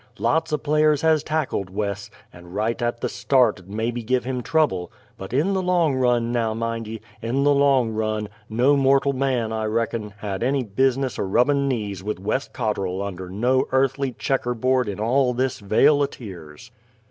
Lots o' players has tackled Wes, and right at the start 'ud mebby give him trouble, but in the long run, now mind ye in the long run, no mortal man, I reckon, had any business o' rubbin' knees with Wes Cotterl under no airthly checker board in all this vale o' tears!